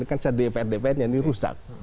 ini kan dpr dprnya rusak